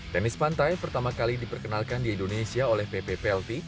tenis pantai pertama kali diperkenalkan di indonesia oleh ppplt